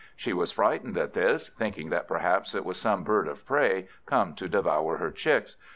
She was frightened at this, thinking that perhaps it was some bird of prey, come to devour her chicks.